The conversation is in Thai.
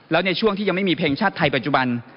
แล้วในช่วงที่ยังไม่มีเพลงชาติไทยปัจจุบัน